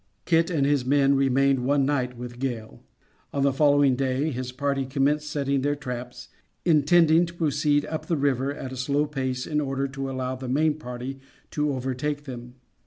Kit and his men remained one night with Gale. On the following day his party commenced setting their traps, intending to proceed up the river at a slow pace in order to allow the main party to overtake them.